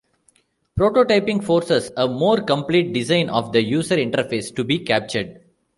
Prototyping forces a more complete design of the user interface to be captured.